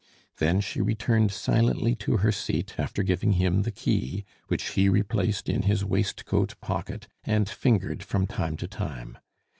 Then she returned silently to her seat, after giving him the key, which he replaced in his waistcoat pocket and fingered from time to time.